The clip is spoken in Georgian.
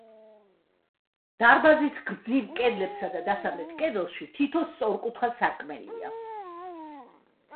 დარბაზის გრძივ კედლებსა და დასავლეთ კედელში თითო სწორკუთხა სარკმელია.